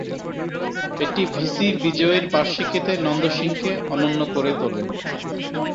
এটি ভিসি বিজয়ীর বার্ষিকীতে নন্দ সিংকে অনন্য করে তোলে।